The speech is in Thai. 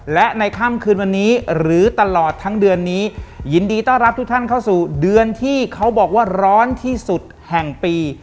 และในค่ำคืนวันนี้หรือตลอดทั้งเดือนนี้ยินดีต้อนรับทุกท่านเข้าสู่เดือนที่เขาบอกว่าร้อนที่สุดแห่งปี